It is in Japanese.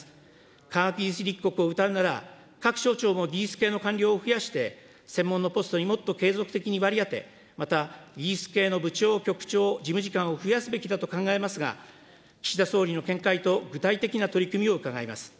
科学技術立国をうたうなら、各省庁も技術系の官僚を増やして、専門のポストにもっと継続的に割り当て、また技術系の部長、局長、事務次官を増やすべきだと考えますが、岸田総理の見解と具体的な取り組みを伺います。